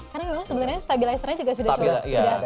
karena memang sebenarnya stabilizer nya juga sudah cukup stabil